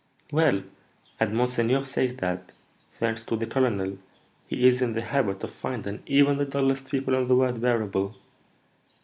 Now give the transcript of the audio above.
"Well! and monseigneur says that, thanks to the colonel, he is in the habit of finding even the dullest people in the world bearable.